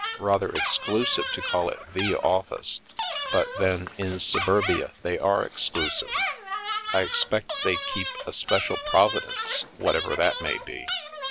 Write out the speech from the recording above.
Rather exclusive to call it 'the office/ but, then, in Suburbia they are exclusive ; I expect they keep a ' special Provi dence,' whatever that may be.